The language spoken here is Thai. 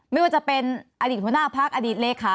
ไม่ว่าจะเป็นอดีตหัวหน้าพักอดีตเลขา